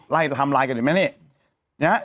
ไล่ทำลายกันเห็นไหมนี่เนี่ยฮะ